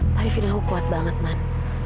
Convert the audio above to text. tapi fina ku kuat banget man